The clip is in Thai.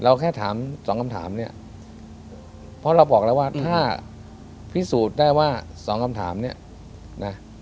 แค่ถามสองคำถามเนี่ยเพราะเราบอกแล้วว่าถ้าพิสูจน์ได้ว่าสองคำถามเนี่ยนะ